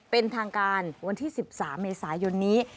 เป็นทางการวันที่๑๓เมษายนนี้